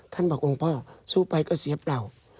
บอกหลวงพ่อสู้ไปก็เสียเปล่า